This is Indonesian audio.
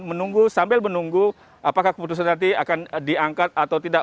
menunggu sambil menunggu apakah keputusan nanti akan diangkat atau tidak